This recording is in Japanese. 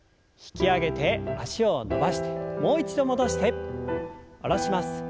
引き上げて脚を伸ばしてもう一度戻して下ろします。